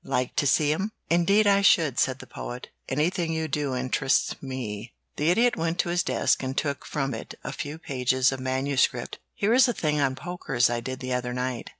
Like to see 'em?" "Indeed I should," said the Poet. "Anything you do interests me." The Idiot went to his desk and took from it a few pages of manuscript. "Here is a thing on pokers I did the other night.